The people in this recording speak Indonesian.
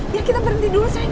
ya kita berhenti dulu saja